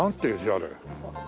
あれ。